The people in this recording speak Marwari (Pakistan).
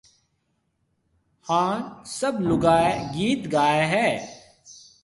ھاڻ سب لوگائيَ گيت گائيَ ھيََََ